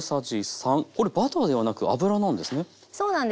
これバターではなく油なんですね。